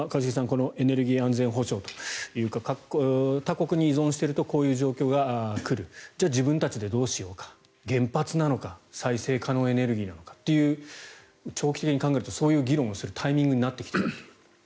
このエネルギー安全保障というか他国に依存しているとこういう状況が来るじゃあ自分たちでどうしようか原発なのか再生可能エネルギーなのかという長期的に考えるとそういう議論をするタイミングになってきていると。